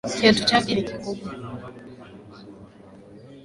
Kiatu chake ni kikubwa